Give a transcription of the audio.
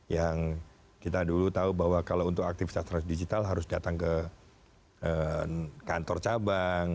yang kita dulu tahu bahwa kalau untuk aktivitas trans digital harus datang ke kantor cabang